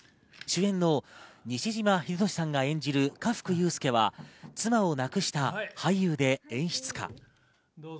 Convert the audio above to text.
主演の西島秀俊さんが演じる家福悠介は妻を亡くした俳優で演出家。